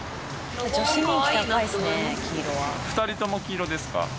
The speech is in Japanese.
２人とも黄色ですか？